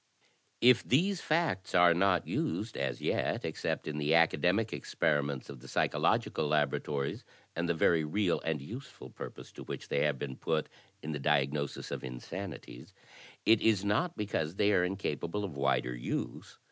"If these facts are not used as yet except in the academic experiments of the psychological laboratories and the very real and useful purpose to which they have been put in the diagnosis of insanities, it is not because they are incapable of wider use.